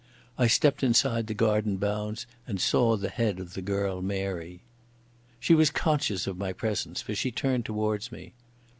I stepped inside the garden bounds and saw the head of the girl Mary. She was conscious of my presence, for she turned towards me.